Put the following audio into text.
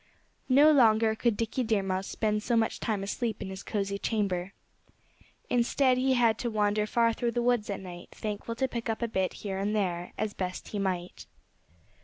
No longer could Dickie Deer Mouse spend so much time asleep in his cozy chamber. Instead, he had to wander far through the woods at night, thankful to pick up a bit here and there as best he might.